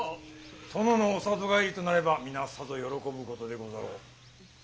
殿のお里帰りとなれば皆さぞ喜ぶことでござろう。